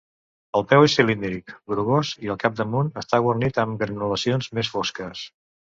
El peu és cilíndric, grogós i al capdamunt està guarnit amb granulacions més fosques.